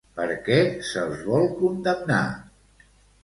Per què se'ls vol condemnar?